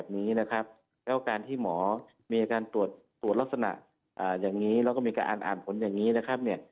มีการตรวจลักษณะอย่างนี้และการอ่านผลอย่างนี้